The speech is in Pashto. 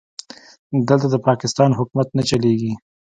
دلته د پاکستان حکومت نه چلېږي.